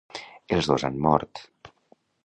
Els dos han mort.